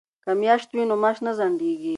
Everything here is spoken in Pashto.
که میاشت وي نو معاش نه ځنډیږي.